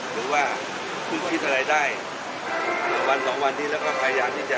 หรือว่าภูมิคิดอะไรวันสองที่แล้วก็พยายามที่จะ